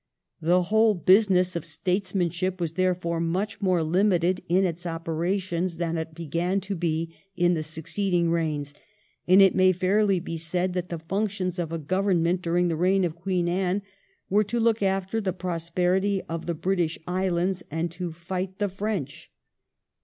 The whole business of statesmanship was therefore much more limited in its operations than it began to be in the succeeding reigns, and it may fairly be said that the functions of a Government during the reign of Queen Anne were to look after the prosperity of the British Islands and to fight the French.